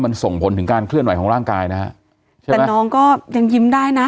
มันส่งผลถึงการเคลื่อนไหวของร่างกายนะฮะใช่แต่น้องก็ยังยิ้มได้นะ